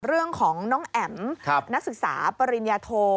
เรื่องของน้องแอ๋มนักศึกษาปริญญาโท